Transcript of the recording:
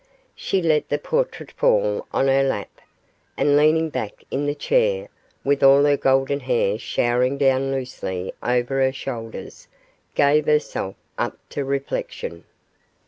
She let the portrait fall on her lap, and leaning back in the chair, with all her golden hair showering down loosely over her shoulders, gave herself up to reflection.